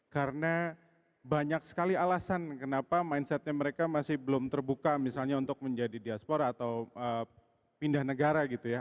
karena banyak sekali alasan kenapa mindsetnya mereka masih belum terbuka misalnya untuk menjadi diaspora atau pindah negara gitu ya